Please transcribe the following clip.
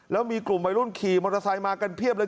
แล้วมีกลุ่มวัยรุ่นขี่มอเตอร์ไซค์มากันเพียบเลย